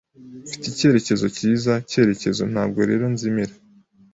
Mfite icyerekezo cyiza cyerekezo, ntabwo rero nzimira.